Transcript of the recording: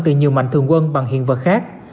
từ nhiều mạnh thường quân bằng hiện vật khác